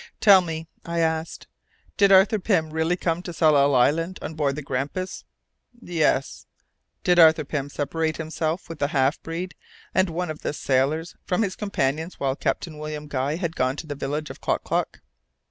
"Tell me," I asked, "did Arthur Pym really come to Tsalal Island on board the Grampus?" "Yes." "Did Arthur Pym separate himself, with the half breed and one of the sailors, from his companions while Captain William Guy had gone to the village of Klock Klock?"